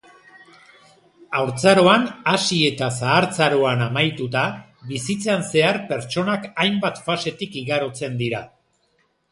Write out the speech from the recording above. Haurtzaroan hasi eta zahartzaroan amaituta, bizitzan zehar pertsonak hainbat fasetatik igarotzen dira